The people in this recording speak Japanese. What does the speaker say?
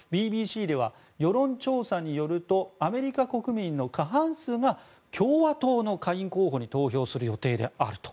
ＢＢＣでは世論調査によるとアメリカ国民の過半数が共和党の下院候補に投票する予定であると。